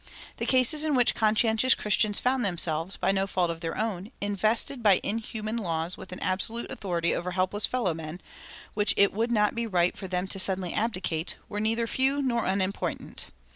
The cases in which conscientious Christians found themselves, by no fault of their own, invested by inhuman laws with an absolute authority over helpless fellow men, which it would not be right for them suddenly to abdicate, were not few nor unimportant.